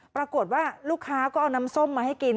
ปรากฏว่าลูกค้าก็เอาน้ำส้มมาให้กิน